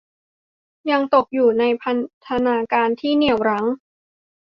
ยังตกอยู่ในพันธนาการที่เหนี่ยวรั้ง